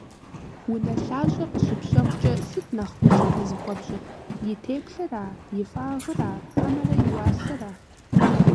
Унэлъащӏэ къыщыпщэхукӏэ сыт нэхъ гулъытэ зыхуэпщӏыр: и теплъэра, и фӏагъра хьэмэрэ и уасэра?